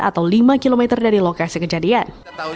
atau lima km dari lokasi kejadian